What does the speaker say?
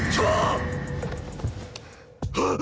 はっ！